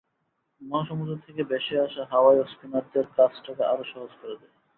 মহাসমুদ্র থেকে ভেসে আসা হাওয়াও স্পিনারদের কাজটাকে আরও সহজ করে দেয়।